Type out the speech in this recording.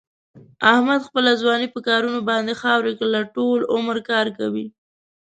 احمد خپله ځواني په کارونو باندې خاورې کړله. ټول عمر کار کوي.